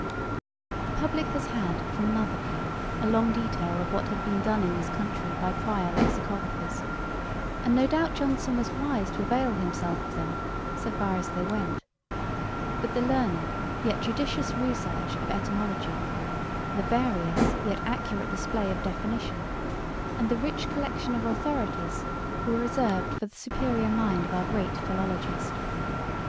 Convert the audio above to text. The publick has had, from another pen, a long detail of what had been done in this country by prior Lexicographers; and no doubt Johnson was wise to avail himself of them, so far as they went: but the learned, yet judicious research of etymology, the various, yet accurate display of definition, and the rich collection of authorities, were reserved for the superior mind of our great philologist.